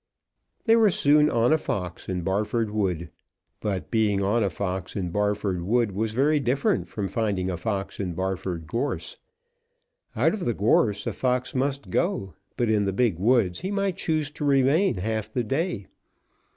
They were soon on a fox in Barford Wood; but being on a fox in Barford Wood was very different from finding a fox in Barford Gorse. Out of the gorse a fox must go; but in the big woods he might choose to remain half the day.